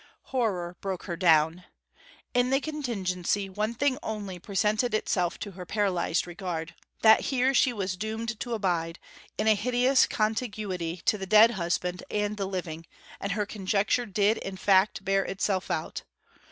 Horror broke her down. In the contingency one thing only presented itself to her paralysed regard that here she was doomed to abide, in a hideous contiguity to the dead husband and the living, and her conjecture did, in fact, bear itself out.